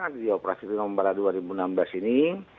di operasi timbong barat dua ribu enam belas ini